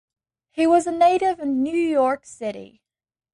He was a native of New York City.